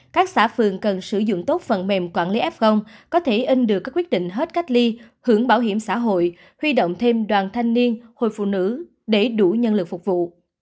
các xã phường cần sử dụng tốt phần mềm quản lý f có thể in được các quyết định hết cách ly hưởng bảo hiểm xã hội huy động thêm đoàn thanh niên hội phụ nữ để đủ nhân lực phục vụ